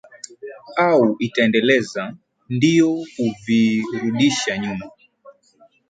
au itaendeleza ndio kuviirudisha nyuma